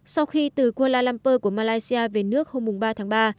sau khi từ kuala lumpur của malaysia về nước hôm ba tháng ba